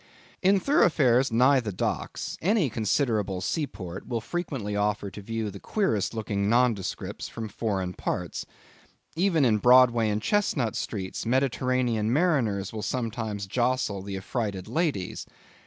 In thoroughfares nigh the docks, any considerable seaport will frequently offer to view the queerest looking nondescripts from foreign parts. Even in Broadway and Chestnut streets, Mediterranean mariners will sometimes jostle the affrighted ladies.